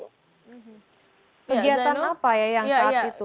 kegiatan apa ya yang saat itu